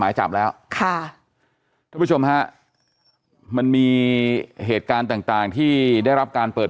หมายจับแล้วค่ะทุกผู้ชมฮะมันมีเหตุการณ์ต่างที่ได้รับการเปิด